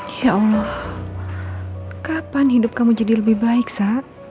ya allah kapan hidup kamu jadi lebih baik saat